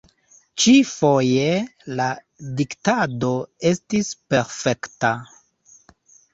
Ĉi-foje la diktado estis perfekta.